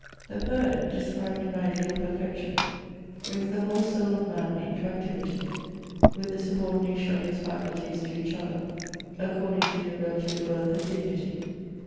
The poet, described in ideal perfection, brings the whole soul of man into activity, with the subordination of its faculties to each other according to their relative worth and dignity.